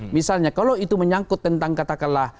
misalnya kalau itu menyangkut tentang katakanlah